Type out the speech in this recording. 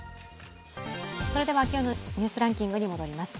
それでは今日のニュースランキングに戻ります。